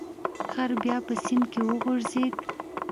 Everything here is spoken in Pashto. خر بیا په سیند کې وغورځید.